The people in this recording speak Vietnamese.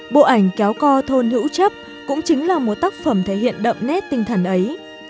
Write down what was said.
bộ ảnh kéo co thôn hữu chấp cũng chính là một tác phẩm thể hiện đậm nét tinh thần ấy